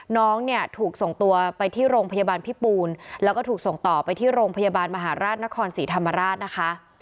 น้องเนี่ยถูกส่งตัวไปที่โรงพยาบาลพิปูนแล้วก็ถูกส่งต่อไปที่โรงพยาบาลมหาราชนครศรีธรรมราชนะคะ